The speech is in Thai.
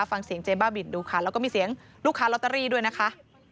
ฟังเสียงเจ๊บ้าบินดูค่ะแล้วก็มีเสียงลูกค้าลอตเตอรี่ด้วยนะคะ